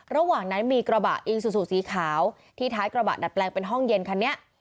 ระหว่างนั้นมีกระบะอีซูซูสีขาวที่ท้ายกระบะดัดแปลงเป็นห้องเย็นคันนี้